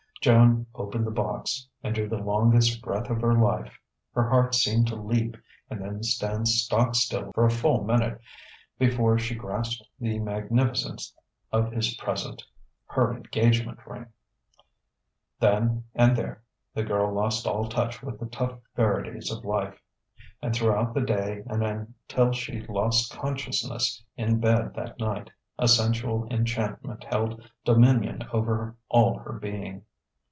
Joan opened the box and drew the longest breath of her life. Her heart seemed to leap and then stand stock still for a full minute before she grasped the magnificence of his present: her engagement ring! Then and there the girl lost all touch with the tough verities of life; and throughout the day and until she lost consciousness in bed that night, a sensual enchantment held dominion over all her being....